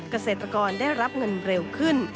เกษตรกรได้รับเงินเร็วขึ้น